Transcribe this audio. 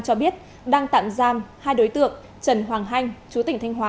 cho biết đang tạm giam hai đối tượng trần hoàng hanh chú tỉnh thanh hóa